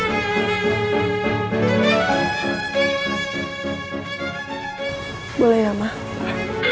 besok kamu mulai pulang sama ky ya